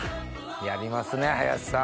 やりますね林さん。